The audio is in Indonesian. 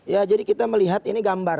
ya jadi kita melihat ini gambar